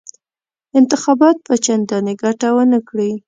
انتخابات به چنداني ګټه ونه کړي.